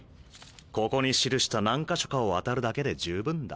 ここに記した何箇所かを当たるだけで十分だ。